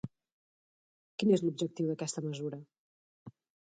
Quin és l'objectiu d'aquesta mesura?